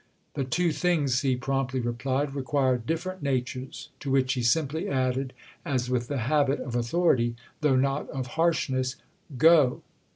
"The two things," he promptly replied, "require different natures." To which he simply added, as with the habit of authority, though not of harshness, "Go!"